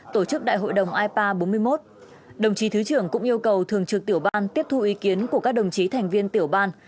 hội đồng ipa bốn mươi một đồng chí thứ trưởng cũng yêu cầu thường trực tiểu ban tiếp thu ý kiến của các đồng chí thành viên tiểu ban